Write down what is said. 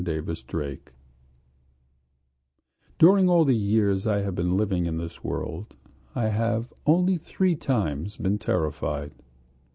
PANIC FEARS DURING all the years I have been living in this world I have only three times been terrified.